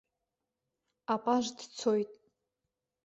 Апаж дцоит.